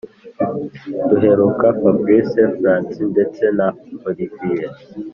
duheruka fabric francis ndetse na olivier